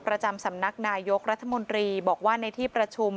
ประจำสำนักนายกรัฐมนตรีบอกว่าในที่ประชุม